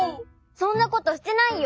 そんなことしてないよ！